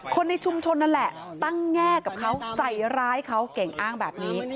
คนในชุมชนนั่นแหละตั้งแง่กับเขาใส่ร้ายเขาเก่งอ้างแบบนี้